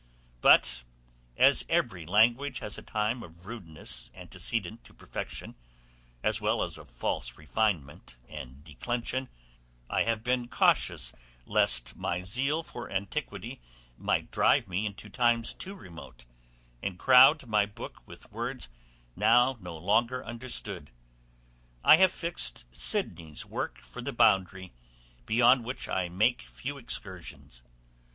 But as every language has a time of rudeness antecedent to perfection, as well as of false refinement and declension, I have been cautious lest my zeal for antiquity might drive me into times too remote, and crowd my book with words now no longer understood. I have fixed Sidney's work for the boundary, beyond which I make few excursions.